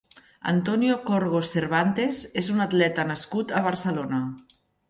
Antonio Corgos Cervantes és un atleta nascut a Barcelona.